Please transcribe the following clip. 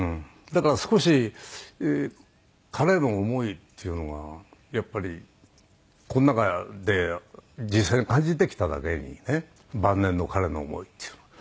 だから少し彼の思いっていうのがやっぱりこの中で実際に感じてきただけにね晩年の彼の思いっていうのを。